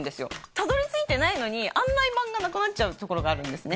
たどり着いてないのに案内板がなくなっちゃうところがあるんですね